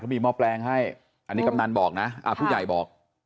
มีหม้อแปลงให้อันนี้กำนันบอกนะผู้ใหญ่บอก